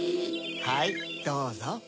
はいどうぞ。